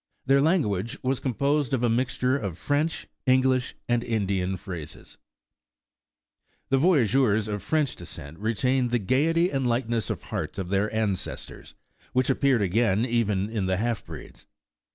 Their language was composed of a mixture of French, English and Indian phrases. 105 The Original John Jacob Astor The voyageurs of French descent retained the gayety and lightness of heart of their ancestors, which ap peared again even in the half breeds.